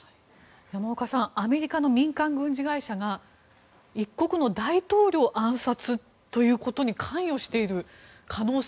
山岡さんアメリカの民間軍事会社が一国の大統領暗殺に関与している可能性。